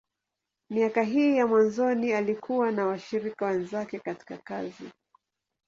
Miaka hii ya mwanzoni, alikuwa na washirika wenzake katika kazi.